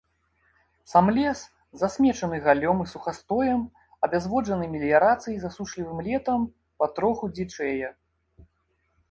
Сам лес, засмечаны галлём і сухастоем, абязводжаны меліярацыяй і засушлівым летам, патроху дзічэе.